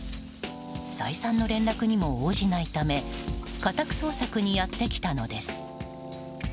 再三の連絡にも応じないため家宅捜索にやってきたのです。